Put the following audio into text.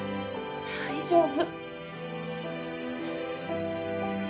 大丈夫。